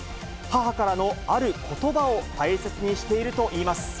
母からのあることばを大切にしているといいます。